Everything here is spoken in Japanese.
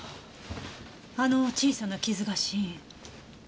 あの小さな傷が死因。